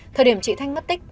thời điểm chị thanh mất tích